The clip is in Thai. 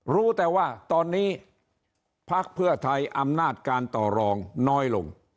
รู้แต่ว่าตอนนี้พักเพื่อไทยอำนาจการต่อรองน้อยลง